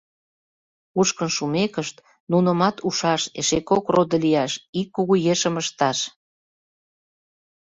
Кушкын шумекышт, нунымат ушаш, эше кугу родо лияш, ик кугу ешым ышташ.